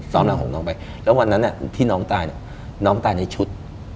นางของน้องไปแล้ววันนั้นที่น้องตายเนี่ยน้องตายในชุด